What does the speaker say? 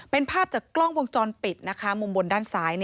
เป็นภาพจากกล้องวงจรปิดนะคะมุมบนด้านซ้าย